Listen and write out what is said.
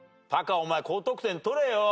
タカお前高得点取れよ。